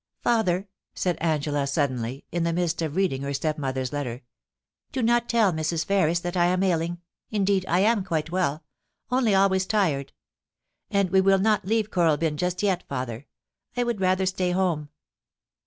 ' Father !' said Angela suddenly, in the midst of reading her stepmother's letter, * do not tell Mrs. Ferris that I am ailing — indeed, I am quite well — only always tired. And we will not leave Kooralbyn just yet, father — I would rather stay at home.